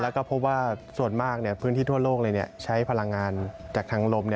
แล้วก็พบว่าส่วนมากพื้นที่ทั่วโลกเลยใช้พลังงานจากทางลม